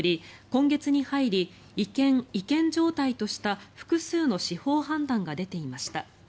今月に入り違憲、違憲状態とした複数の司法判断が出ていました。